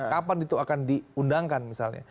kapan itu akan diundangkan misalnya